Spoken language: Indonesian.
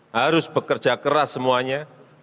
harus bekerja keras semuanya